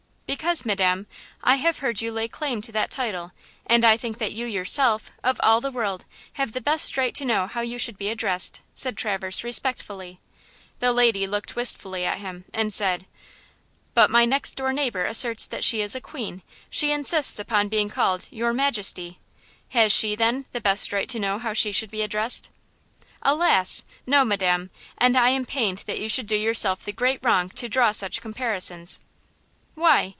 "Because, Madam, I have heard you lay claim to that title, and I think that you yourself, of all the world, have the best right to know how you should be addressed," said Traverse, respectfully. The lady looked wistfully at him and said: "But my next door neighbor asserts that she is a queen; she insists upon being called 'your majesty.' Has she, then, the best right to know how she should be addressed?" "Alas! no, Madam, and I am pained that you should do yourself the great wrong to draw such comparisons." "Why?